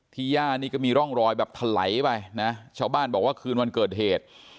ย่านี่ก็มีร่องรอยแบบถลายไปนะชาวบ้านบอกว่าคืนวันเกิดเหตุ